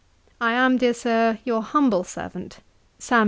'I am, dear Sir, your humble servant, 'SAM.